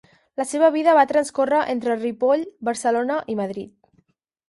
La seva vida va transcórrer entre Ripoll, Barcelona i Madrid.